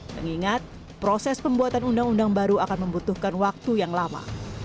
mengingat proses pembuatan undang undang baru akan membutuhkan waktu yang lama